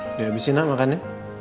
udah habisin nak makannya